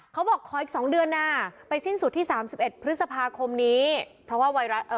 เขาบอกขออีกสองเดือนน่ะไปสิ้นสุดที่สามสิบเอ็ดพฤษภาคมนี้เพราะว่าไวรัสเอ่อ